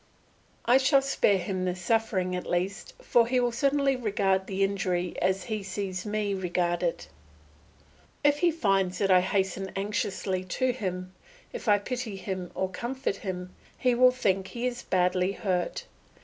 I shall spare him this suffering at least, for he will certainly regard the injury as he sees me regard it; if he finds that I hasten anxiously to him, if I pity him or comfort him, he will think he is badly hurt.